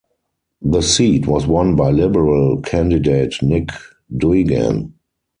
The seat was won by Liberal candidate Nick Duigan.